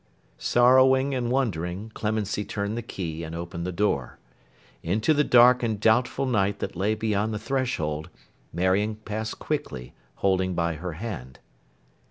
Sorrowing and wondering, Clemency turned the key, and opened the door. Into the dark and doubtful night that lay beyond the threshold, Marion passed quickly, holding by her hand.